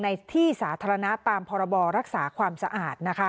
ในที่สาธารณะตามพรบรักษาความสะอาด